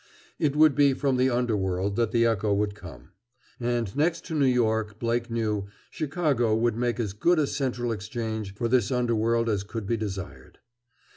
It would be from the underworld that the echo would come. And next to New York, Blake knew, Chicago would make as good a central exchange for this underworld as could be desired.